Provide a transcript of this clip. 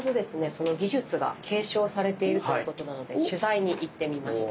その技術が継承されているということなので取材に行ってみました。